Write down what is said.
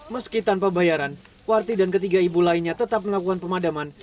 meski tanpa bayaran warti dan ketiga ibu lainnya tetap melakukan pemadaman